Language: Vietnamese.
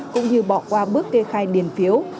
cũng như bỏ qua bước kê khai điền phiếu